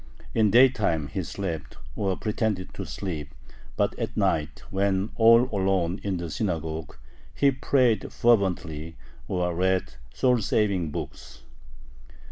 In daytime he slept, or pretended to sleep, but at night, when all alone in the synagogue, he prayed fervently, or read soul saving books.